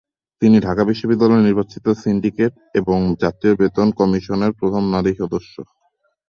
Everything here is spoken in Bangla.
তিনি ঢাকা বিশ্ববিদ্যালয়ের নির্বাচিত সিন্ডিকেট এবং জাতীয় বেতন কমিশনের প্রথম নারী সদস্য।